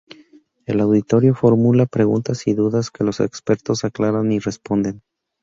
El auditorio formula preguntas y dudas que los expertos aclaran y responden.